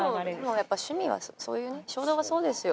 でもやっぱ趣味はそういうね衝動がそうですよ。